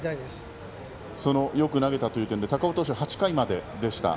よく投げたという点で高尾投手は８回まででした。